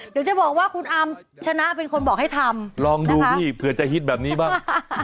เดี๋ยวจะบอกว่าคุณอามชนะเป็นคนบอกให้ทำลองดูพี่เผื่อจะฮิตแบบนี้บ้าง